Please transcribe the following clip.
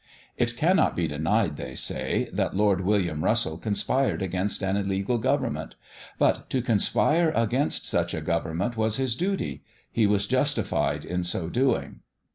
"It cannot be denied," they say, "that Lord William Russell conspired against an illegal Government; but to conspire against such a Government was his duty; he was justified in so doing."...